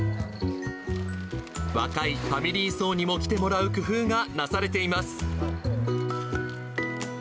若いファミリー層にも来てもらう工夫がなされています。